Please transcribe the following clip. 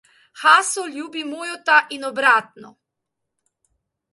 Haso ljubi Mujota in obratno.